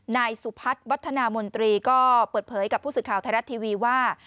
นายสุพัฒน์วัฒนามนตรีก็เปิดเผยกับผู้สื่อข่าวไทยรัฐทีวีว่า